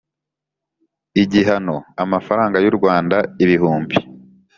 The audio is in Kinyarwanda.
Igihano amafaranga y u rwanda ibihumbi